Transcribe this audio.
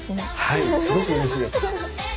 はいすごくうれしいです。